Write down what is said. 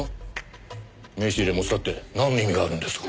名刺入れを持ち去ってなんの意味があるんですか？